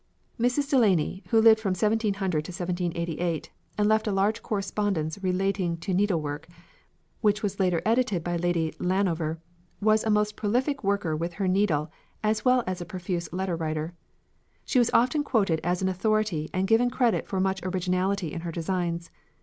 Mrs. Delany, who lived from 1700 to 1788, and left a large correspondence relating to needlework, which was later edited by Lady Llanover, was a most prolific worker with her needle as well as a profuse letter writer. She was often quoted as an authority and given credit for much originality in her designs.